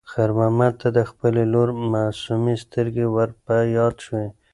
خیر محمد ته د خپلې لور معصومې سترګې ور په یاد شوې.